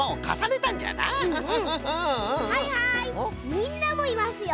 みんなもいますよ。